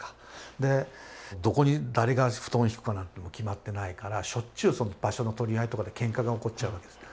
どこに誰が布団敷くかも決まってないからしょっちゅう場所の取り合いとかでケンカが起こっちゃうわけです。